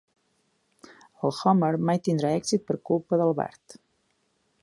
El Homer mai tindria èxit per culpa del Bart.